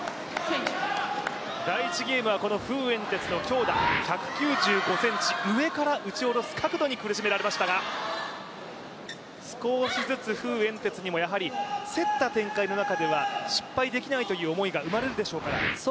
第１ゲームはこの馮彦哲の強打、１９５ｃｍ、上から打ち下ろす角度に苦しめられましたが、少しずつ馮彦哲にも競った展開の中では失敗できないという思いが生まれるでしょうから。